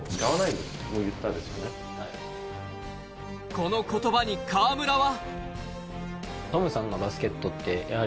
この言葉に河村は。